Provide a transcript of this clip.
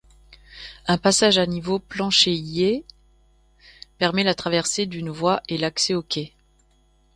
Un passage à niveau planchéié permet la traversée d'une voie et l'accès aux quais.